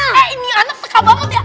eh ini anak teka banget ya